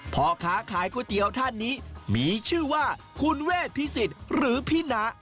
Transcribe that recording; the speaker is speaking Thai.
พ่อค้าขายก๋วยเตี๋ยวท่านนี้มีชื่อว่าคุณเวทพิสิทธิ์หรือพี่นะ